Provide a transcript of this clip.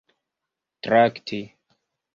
trakti